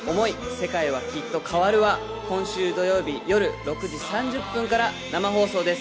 世界は、きっと変わる。』は今週土曜日夜６時３０分から生放送です。